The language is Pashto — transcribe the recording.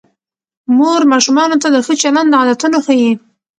مور ماشومانو ته د ښه چلند عادتونه ښيي